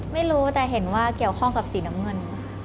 ไม่รู้แต่เห็นว่าเกี่ยวข้องกับสีน้ำเงิน